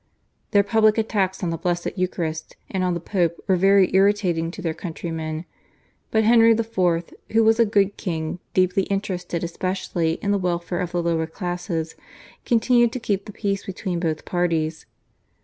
Their public attacks on the Blessed Eucharist and on the Pope were very irritating to their countrymen, but Henry IV., who was a good king deeply interested especially in the welfare of the lower classes, continued to keep the peace between both parties.